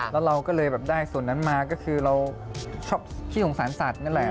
แล้วเราก็เลยแบบได้ส่วนนั้นมาก็คือเราชอบขี้สงสารสัตว์นั่นแหละ